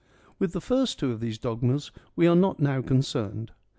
With the first two of these dogmas we are not now concerned.